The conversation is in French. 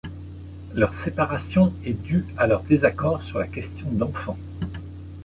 Leur séparation est due à leur désaccord sur la question d'enfants.